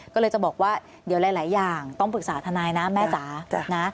ก็เลยจะบอกว่าเดี๋ยวหลายอย่างต้องปรึกษาทนายนะแม่จ๋านะ